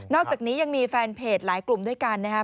อกจากนี้ยังมีแฟนเพจหลายกลุ่มด้วยกันนะครับ